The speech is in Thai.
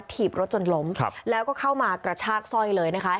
ถีบรถจนล้มแล้วก็เข้ามากระชากสร้อยเลยนะคะ